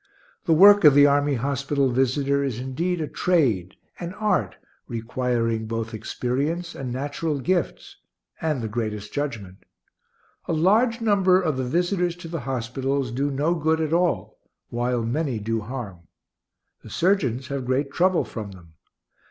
The work of the army hospital visitor is indeed a trade, an art, requiring both experience and natural gifts, and the greatest judgment. A large number of the visitors to the hospitals do no good at all, while many do harm. The surgeons have great trouble from them.